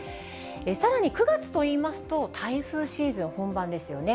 さらに９月といいますと、台風シーズン本番ですよね。